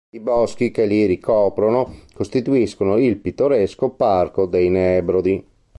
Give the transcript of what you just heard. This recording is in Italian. I boschi che li ricoprono costituiscono il pittoresco Parco dei Nebrodi.